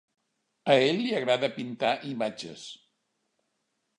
A ell li agrada pintar imatges.